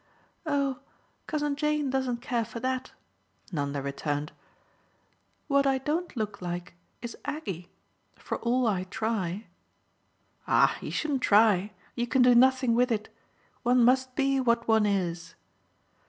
"Oh Cousin Jane doesn't care for that," Nanda returned. "What I don't look like is Aggie, for all I try." "Ah you shouldn't try you can do nothing with it. One must be what one is."